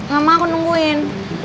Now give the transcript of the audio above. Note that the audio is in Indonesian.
gak mau aku nungguin